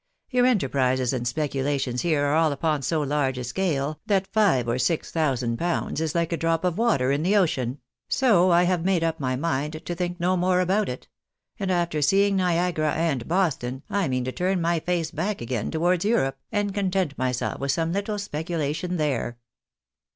Your enterprises and speculations here are all upon so large a scale, that five or six thou sand pounds is like a drop of water in the ocean ; so I have made "Up my mind to think no more about it ; and after seeing Niagara and Boston, I mean to turn my face back again towards Em'ope, and content myseK with some little speculation there."